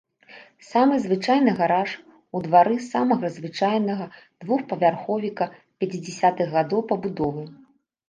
Самы звычайны гараж у двары самага звычайнага двухпавярховіка пяцідзясятых гадоў пабудовы.